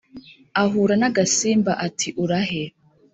ahura n'agasimba ati uraahe